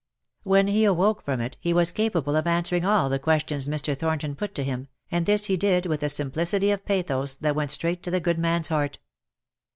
When he awoke from it, he was capable of answering all the questions Mr. Thornton put to him, and this he did with a simplicity of pathos that went straight to the good man's heart.